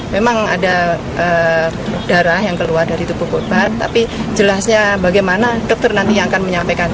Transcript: memang ada darah yang keluar dari tubuh korban tapi jelasnya bagaimana dokter nanti yang akan menyampaikan